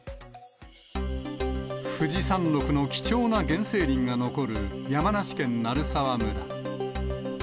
富士山麓の貴重な原生林が残る山梨県鳴沢村。